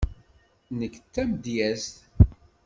Nekk d tamedyazt.